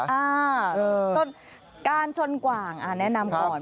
อ่าต้นการชนกว่างแนะนำก่อน